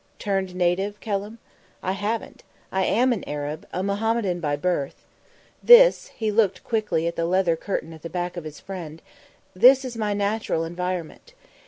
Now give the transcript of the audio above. "Turned native, Kelham? I haven't. I am an Arab, a Mohammedan by birth. This" he looked quickly at the leather curtain at the back of his friend "This is my natural environment.